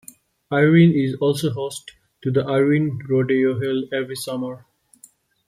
Irene is also host to the Irene Rodeo, held every summer.